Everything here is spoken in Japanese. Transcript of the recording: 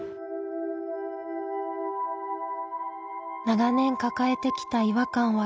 長年抱えてきた違和感は消えた。